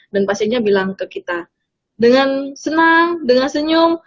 dan pasiennya bilang ke kita dengan senang dengan senyum